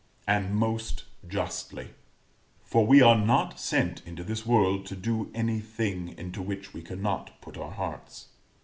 And most justly. For we are not sent into this world to do any thing into which we cannot put our hearts.